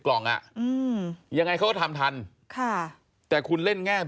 ขอบคุณครับและขอบคุณครับ